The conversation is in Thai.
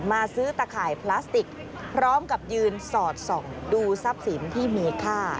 ซื้อตะข่ายพลาสติกพร้อมกับยืนสอดส่องดูทรัพย์สินที่มีค่า